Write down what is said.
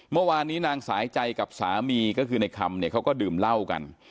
เมื่อวานนี้นางสายใจกับสามีก็คือในคำเนี่ยเขาก็ดื่มเหล้ากัน